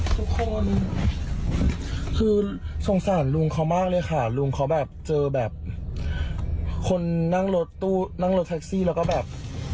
ทุกคนคือสงสารลุงเขามากเลยค่ะลุงเขาแบบเจอแบบคนนั่งรถตู้นั่งรถแท็กซี่แล้วก็แบบ